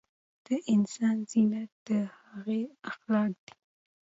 د انسان زينت د هغه اخلاق دي